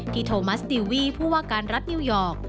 โทมัสติวีผู้ว่าการรัฐนิวยอร์ก